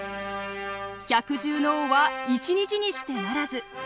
百獣の王は一日にしてならず。